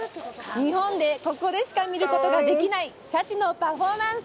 日本でここでしか見ることができないシャチのパフォーマンス。